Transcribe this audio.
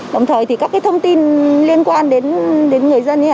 đồng thời thì các thông tin liên quan đến người dân